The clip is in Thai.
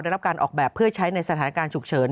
รับการออกแบบเพื่อใช้ในสถานการณ์ฉุกเฉิน